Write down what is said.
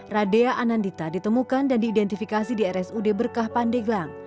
radea anandita ditemukan dan diidentifikasi di rsud berkah pandeglang